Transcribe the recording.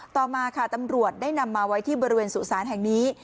ต่อมาค่ะตำรวจได้นำมาไว้ที่บริเวณสุสานแห่งนี้